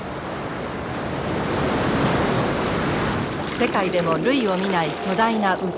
世界でも類を見ない巨大な渦。